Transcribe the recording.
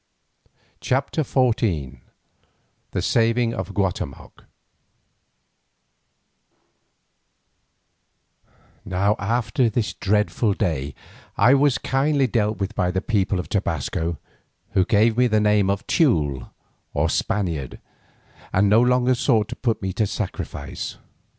CHAPTER XIV THE SAVING OF GUATEMOC Now after this dreadful day I was kindly dealt with by the people of Tobasco, who gave me the name of Teule or Spaniard, and no longer sought to put me to sacrifice.